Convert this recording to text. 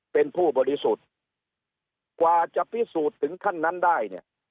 เป็นผู้บริสุทธิ์กว่าจะพิสูจน์ถึงขั้นนั้นได้เนี่ย